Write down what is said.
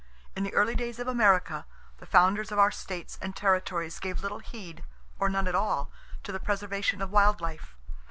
In the early days of America, the founders of our states and territories gave little heed, or none at all, to the preservation of wild life.